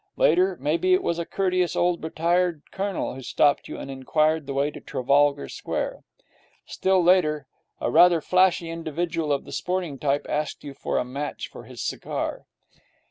Later, maybe, it was a courteous old retired colonel who stopped you and inquired the way to Trafalgar Square. Still later, a rather flashy individual of the sporting type asked you for a match for his cigar.